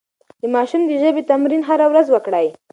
د ماشوم د ژبې تمرين هره ورځ وکړئ.